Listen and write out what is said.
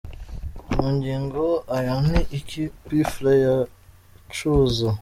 Magingo aya ni iki P Fla yicuza ?.